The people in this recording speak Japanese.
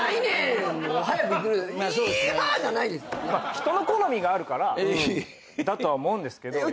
人の好みがあるからだとは思うんですけど。